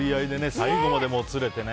最後までもつれてね。